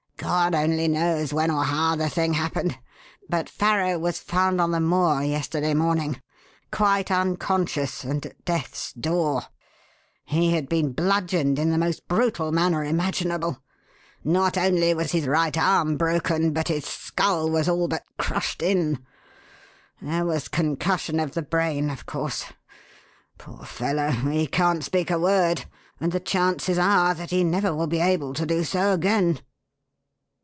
God only knows when or how the thing happened, but Farrow was found on the moor yesterday morning quite unconscious and at death's door. He had been bludgeoned in the most brutal manner imaginable. Not only was his right arm broken, but his skull was all but crushed in. There was concussion of the brain, of course. Poor fellow, he can't speak a word, and the chances are that he never will be able to do so again."